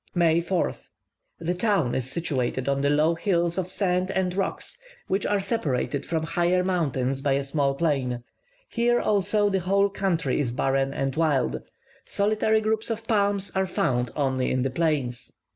May 4th. The town is situated on low hills of sand and rocks, which are separated from higher mountains by a small plain. Here also the whole country is barren and wild; solitary groups of palms are found only in the plains.